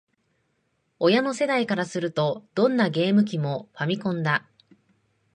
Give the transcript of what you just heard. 親の世代からすると、どんなゲーム機も「ファミコン」だ